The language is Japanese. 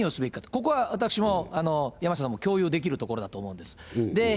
ここは私も山下さんも共有できるところだと思うんです。